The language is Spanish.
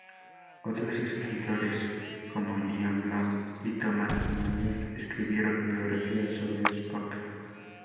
Otros escritores como Lynn Bloom y Thomas Meier escribieron biografías sobre Spock.